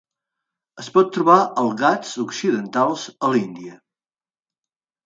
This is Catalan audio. Es pot trobar als Ghats occidentals a l'Índia.